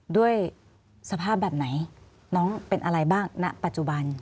ด้วยสภาพแบบไหนน้องเป็นอะไรบ้างณปัจจุบัน